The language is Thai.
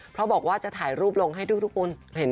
เพราะบอกว่าจะถ่ายรูปลงให้ทุกคนเห็น